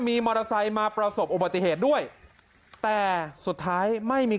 มีมอเตอร์ไซค์มาประสบอุบัติเหตุด้วยแต่สุดท้ายไม่มี